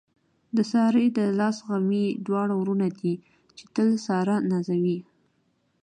د سارې د لاس غمي دواړه وروڼه دي، چې تل ساره نازوي.